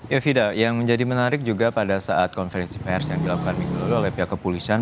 ya fida yang menjadi menarik juga pada saat konferensi pers yang dilakukan minggu lalu oleh pihak kepolisian